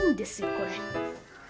これ。